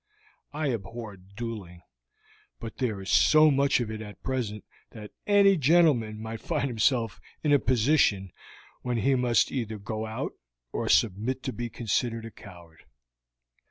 "I abhor dueling, but there is so much of it at present that any gentlemen might find himself in a position when he must either go out or submit to be considered a coward.